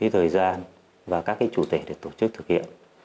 thời gian và các chủ thể để tổ chức thực hiện